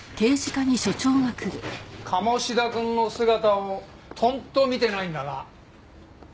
鴨志田君の姿をとんと見てないんだが？